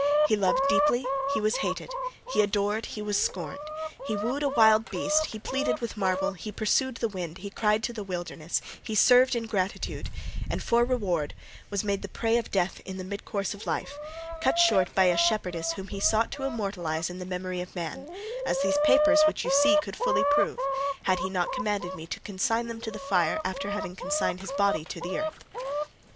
He loved deeply, he was hated; he adored, he was scorned; he wooed a wild beast, he pleaded with marble, he pursued the wind, he cried to the wilderness, he served ingratitude, and for reward was made the prey of death in the mid course of life, cut short by a shepherdess whom he sought to immortalise in the memory of man, as these papers which you see could fully prove, had he not commanded me to consign them to the fire after having consigned his body to the earth."